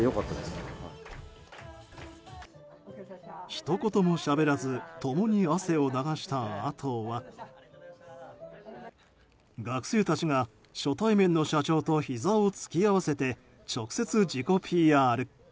ひと言もしゃべらず共に汗を流したあとは学生たちが初対面の社長とひざを突き合わせて直接、自己ＰＲ。